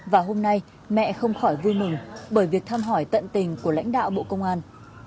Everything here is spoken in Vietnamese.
và hôm nay mẹ không khỏi vui mừng bởi việc thăm hỏi tận tình của lãnh đạo bộ công an